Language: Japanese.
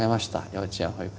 幼稚園保育園。